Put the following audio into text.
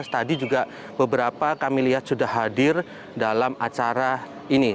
tadi juga beberapa kami lihat sudah hadir dalam acara ini